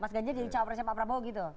mas ganjar jadi cawapresnya pak prabowo gitu